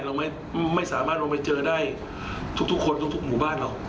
เราไม่สามารถลงไปเจอได้ทุกคนทุกหมู่บ้านหรอก